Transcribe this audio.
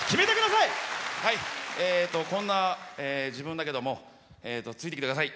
こんな自分だけどもついてきてください。